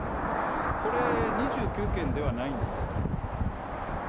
これ、２９件ではないんですか。